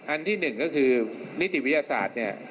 อันที่หนึ่งก็คือนิติวิทยาศาสตร์เนี่ย